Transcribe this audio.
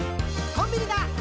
「コンビニだ！